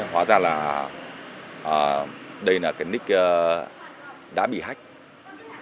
hóa ra là đây là cái nick đã bị hack